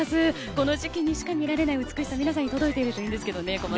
この時期にしか見られない美しさが皆さんに届いているといいんですが。